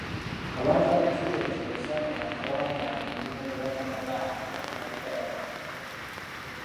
Abantu ab'ekikula ekyo b'osanga nga tebawangaala ku mirimu ne bakama baabwe anti babeera babanyoomoola